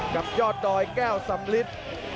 กับยอดดอยแก้วสำลิด